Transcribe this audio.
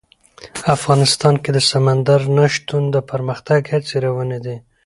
افغانستان کې د سمندر نه شتون د پرمختګ هڅې روانې دي.